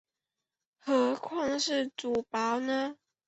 何况是主簿呢？